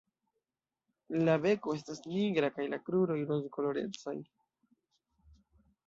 La beko estas nigra kaj la kruroj rozkolorecaj.